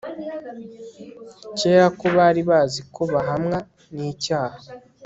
Kubera ko bari bazi ko bahamwa nicyaha